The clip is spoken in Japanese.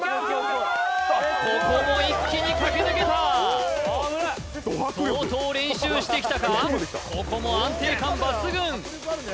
ここも一気に駆け抜けた相当練習してきたかここも安定感抜群